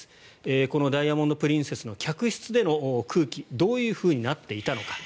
この「ダイヤモンド・プリンセス」の客室での空気どうなっていたのか。